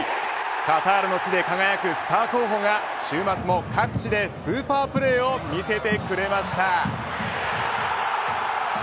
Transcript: カタールの地で輝くスター候補が週末も各地でスーパープレーを見せてくれました。